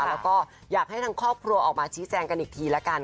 แล้วก็อยากให้ทางครอบครัวออกมาชี้แจงกันอีกทีละกัน